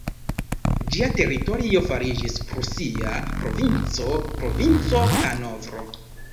Ĝia teritorio fariĝis prusia provinco, "provinco Hanovro".